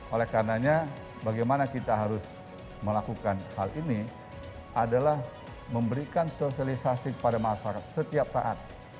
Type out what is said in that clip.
oleh karenanya bagaimana kita harus melakukan hal ini adalah memberikan sosialisasi kepada masyarakat setiap saat